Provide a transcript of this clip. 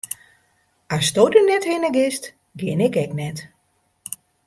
Asto der net hinne giest, gean ik ek net.